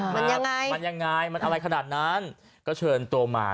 มามันยังไงมันอะไรขนาดนั้นก็เชิญตัวมา